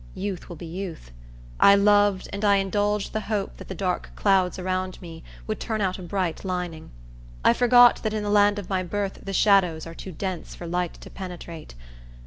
Youth will be youth. I loved and I indulged the hope that the dark clouds around me would turn out a bright lining. I forgot that in the land of my birth the shadows are too dense for light to penetrate.